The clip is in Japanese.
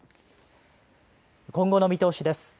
今後の見通しです。